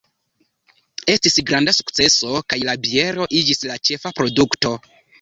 Estis granda sukceso kaj la biero iĝis la ĉefa produkto.